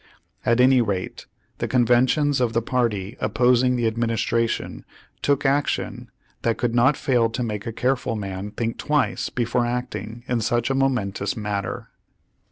At any rate, the conventions of the party opposing the Admin istration took action that could not fail to make a careful man think twice before acting in such a momentous matter.